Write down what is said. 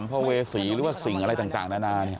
ภเวษีหรือว่าสิ่งอะไรต่างนานา